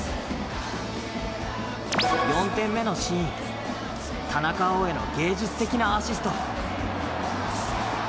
４点目のシーン、田中碧への芸術的なアシスト。